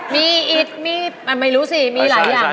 มีอิดมีไม่รู้สิมีหลายอย่าง